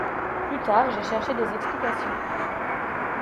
Plus tard, j’ai cherché des explications.